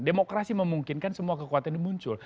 demokrasi memungkinkan semua kekuatan ini muncul